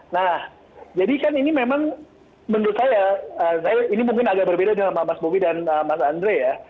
nah jadi kan ini memang menurut saya ini mungkin agak berbeda dengan mas bobi dan mas andre ya